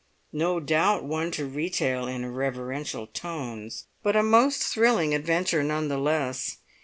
No doubt one to retail in reverential tones, but a most thrilling adventure none the less.